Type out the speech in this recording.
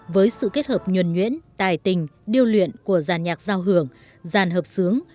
với sự kết hợp nhuẩn nhuyễn tài tình điêu luyện của giàn nhạc giao hưởng giàn hợp sướng